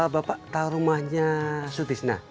bapak tahu rumahnya su tisna